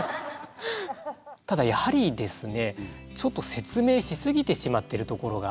ただやはりですねちょっと説明し過ぎてしまってるところがあるかなと。